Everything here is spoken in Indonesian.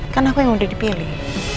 kan apa yang udah dipilih